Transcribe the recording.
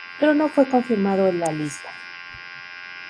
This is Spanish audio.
Pero no fue confirmado el la lista.